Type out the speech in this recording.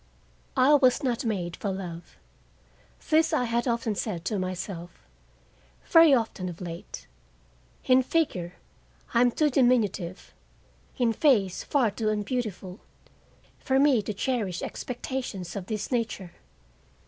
I was not made for love. This I had often said to myself; very often of late. In figure I am too diminutive, in face far too unbeautiful, for me to cherish expectations of this nature.